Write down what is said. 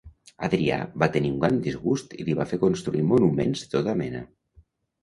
Adrià va tenir un gran disgust i li va fer construir monuments de tota mena.